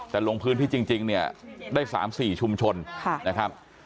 แต่ลงพื้นที่จริงเนี่ยได้๓๔ชุมชนนะครับ